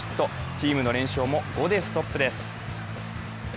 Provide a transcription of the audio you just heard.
チームの連勝も５でストップです。